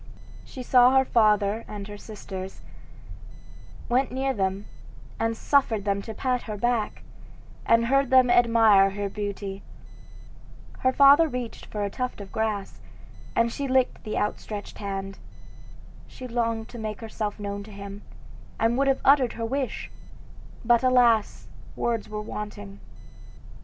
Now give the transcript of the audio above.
She saw her father and her sisters, went near them, and suffered them to pat her back, and heard them admire her beauty. Her father reached her a tuft of grass, and she licked the outstretched hand. She longed to make herself known to him, and would have uttered her wish; but, alas! words were wanting.